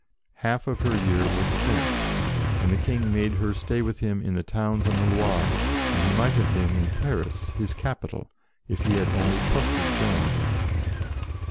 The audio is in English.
Half of her year was spent, and the King made her stay with him in the towns on the Loire, when he might have been in Paris, his capital, if he had only trusted Joan.